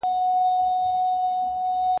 د درملو ډک پلاستیک د سړي په لاس کې ښکارېده.